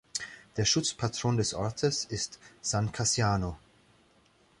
Der Schutzpatron des Ortes ist San Cassiano.